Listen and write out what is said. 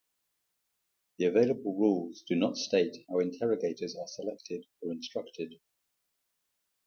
The available rules do not state how interrogators are selected or instructed.